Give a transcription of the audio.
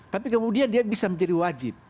tapi kemudian dia bisa menjadi wajib